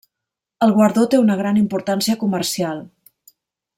El guardó té una gran importància comercial.